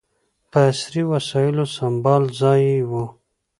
په عصري وسایلو سمبال ځای یې و.